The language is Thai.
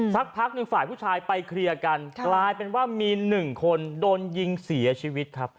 สักพักหนึ่งฝ่ายผู้ชายไปเคลียร์กันกลายเป็นว่ามีหนึ่งคนโดนยิงเสียชีวิตครับ